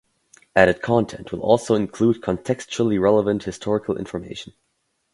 Added content will also include contextually relevant historical information.